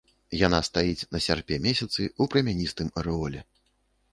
Яна стаіць на сярпе-месяцы, у прамяністым арэоле.